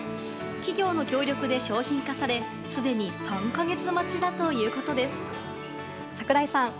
企業の協力で商品化されすでに３か月待ちだということです、櫻井さん。